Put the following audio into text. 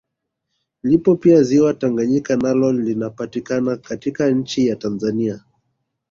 Lipo pia ziwa Tanganyika nalo linapatikana katika nchi ya Tanzania